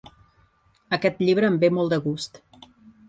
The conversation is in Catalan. Aquest llibre em ve molt de gust.